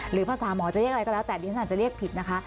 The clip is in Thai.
หรือภาษาหมอจะเรียกอะไรก็แล้วแต่ฤทธิ์ศาสตร์จะเรียกผิดนะคะ